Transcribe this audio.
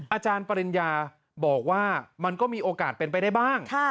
อาจารย์ปริญญาบอกว่ามันก็มีโอกาสเป็นไปได้บ้าง